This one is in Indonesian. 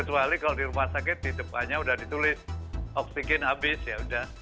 kecuali kalau di rumah sakit di depannya udah ditulis oksigen habis ya udah